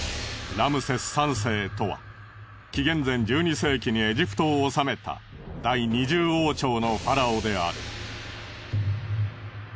ラムセス３世とは紀元前１２世紀にエジプトを治めた第２０王朝のファラオである。